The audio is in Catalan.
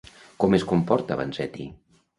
Com es comporta Vanzetti?